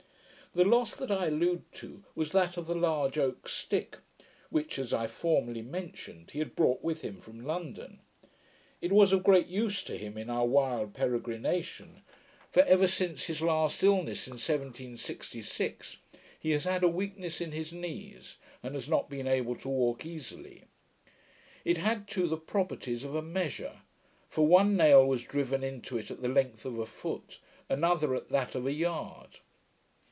The loss that I allude to was that of the large oak stick, which, as I formerly mentioned, he had brought with him from London. It was of great use to him in our wild peregrination; for, ever since his last illness in 1766, he has had a weakness in his knees, and has not been able to walk easily. It had too the properties of a measure; for one nail was driven into it at the length of a foot; another at that of a yard.